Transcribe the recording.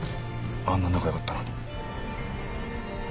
あんな仲良かったのに。